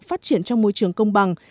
phát triển trong môi trường công bằng